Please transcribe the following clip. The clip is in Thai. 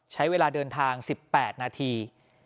ใช้เวลาเดินทาง๑๘นาที